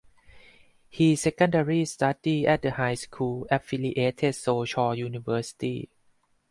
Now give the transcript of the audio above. He secondary studied at the High School Affiliated Soochow University.